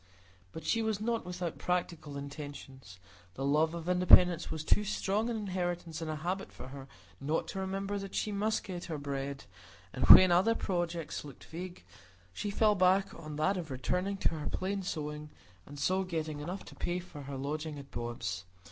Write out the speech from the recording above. But she was not without practical intentions; the love of independence was too strong an inheritance and a habit for her not to remember that she must get her bread; and when other projects looked vague, she fell back on that of returning to her plain sewing, and so getting enough to pay for her lodging at Bob's.